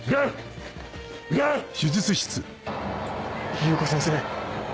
裕子先生。